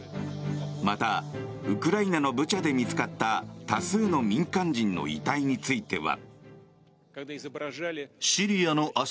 また、ウクライナのブチャで見つかった多数の民間人の遺体については。